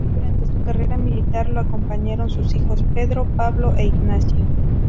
Durante su carrera militar lo acompañaron sus hijos Pedro, Pablo e Ignacio.